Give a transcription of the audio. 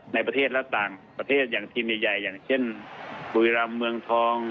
ในประเทศและต่างประเทศอย่างทีมใหญ่อย่างเช่นบุรีรำเมืองทอง